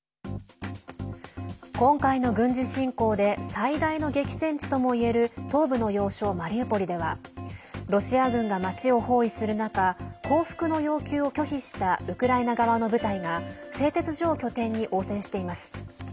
今回の軍事侵攻で最大の激戦地ともいえる東部の要衝マリウポリではロシア軍が町を包囲する中降伏の要求を拒否したウクライナ側の部隊が製鉄所を拠点に応戦しています。